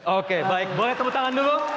oke baik boleh tepuk tangan dulu